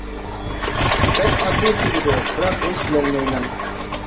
بەك ئاددىي تۇيۇلىدۇ، بىراق ھېچ بىلەلمەيمەن.